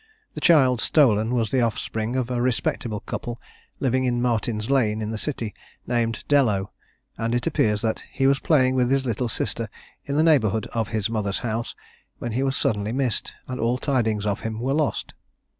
The child stolen was the offspring of a respectable couple living in Martin's lane, in the City, named Dellow; and it appears that he was playing with his little sister in the neighbourhood of his mother's house, when he was suddenly missed, and all tidings of him were lost.